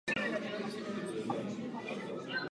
Ve vězení strávil tři týdny.